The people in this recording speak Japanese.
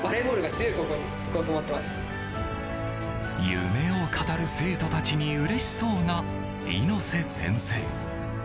夢を語る生徒たちにうれしそうな猪瀬先生。